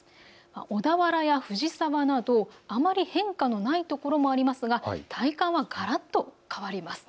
小田原や藤沢などあまり変化のないところもありますが体感はがらっと変わります。